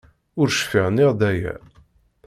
Ur cfiɣ nniɣ-d aya.